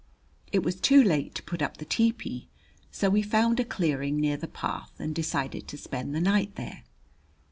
It was too late to put up the tepee, so we found a clearing near the path and decided to spend the night there.